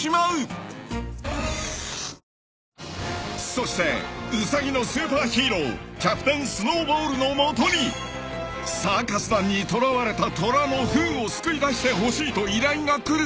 ［そしてウサギのスーパーヒーローキャプテン・スノーボールの元にサーカス団に捕らわれた虎のフーを救いだしてほしいと依頼が来る］